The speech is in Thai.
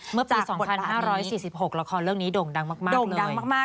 เมื่อปี๒๕๔๖ละครเรื่องนี้ด่งดังมาก